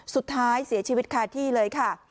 สุดท้ายเสียชีวิตคาที่เลยค่ะ